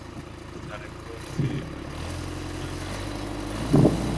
sarekozy alitia sahihi na leo asubuhi